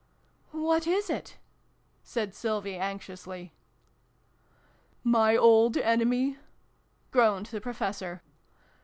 " What is it ?" said Sylvie anxiously. "My old enemy!" groaned the Professor.